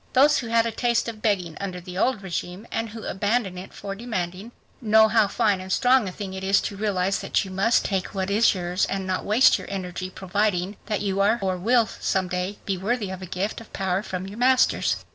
Those who had a taste of begging under the old regime and who abandoned it for demanding, know how fine and strong a thing it is to realize that you must take what is yours and not waste your energy proving that you are or will some day be worthy of a gift of power from your masters.